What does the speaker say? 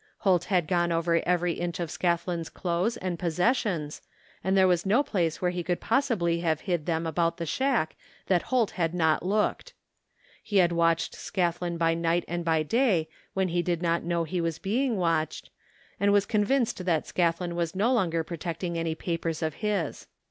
Holt had gone over every inch of Scathlin's clothes and possessions, and there was no place where he could possibly have hid them about the shack that Holt had not looked. He had watched Scathlin by night and by day when he did not know he was being watched, and he was convinced that Scathlin was no longer protecting any papers of his.